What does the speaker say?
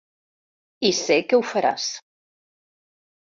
I sé que ho faràs.